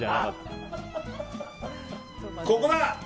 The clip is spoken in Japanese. ここだ！